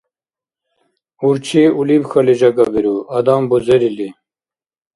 Урчи улибхьали жагабиру, Адам – бузерили.